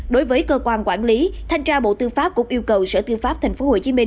đối với cơ quan quản lý thanh tra bộ tư pháp cũng yêu cầu sở tư pháp tp hcm